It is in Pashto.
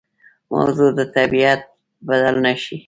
موضوع طبیعت بدل نه شي.